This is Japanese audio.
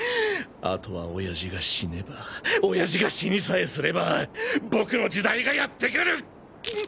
あとは親父が死ねば親父が死にさえすれば僕の時代がやってくる！